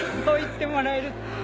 そう言ってもらえると。